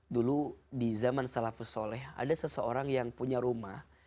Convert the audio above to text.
dulu di zaman salafus soleh ada seseorang yang punya rumah